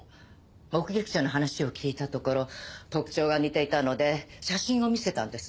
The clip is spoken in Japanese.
目撃者の話を聞いたところ特徴が似ていたので写真を見せたんです。